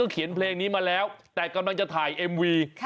เขียนเพลงนี้มาแล้วแต่กำลังจะถ่ายเอ็มวี